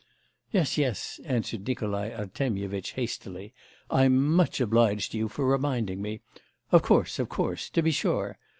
'Yes, yes,' answered Nikolai Artemyevitch hastily. 'I'm much obliged to you for reminding me. Of course, of course; to be sure.